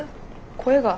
声が。